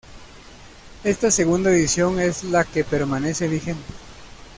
Esta segunda edición es la que permanece vigente.